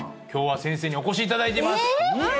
今日は先生にお越しいただいています